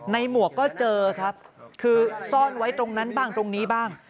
หมวกก็เจอครับคือซ่อนไว้ตรงนั้นบ้างตรงนี้บ้าง